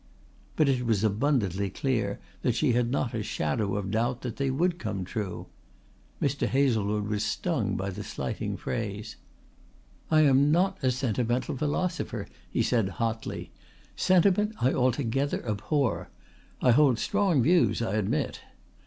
But it was abundantly clear that she had not a shadow of doubt that they would come true. Mr. Hazlewood was stung by the slighting phrase. "I am not a sentimental philosopher," he said hotly. "Sentiment I altogether abhor. I hold strong views, I admit."